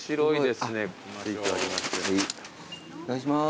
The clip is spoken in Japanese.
お願いします。